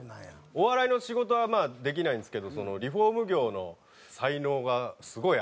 お笑いの仕事はできないんですけどリフォーム業の才能がすごいある。